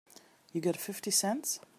You got fifty cents?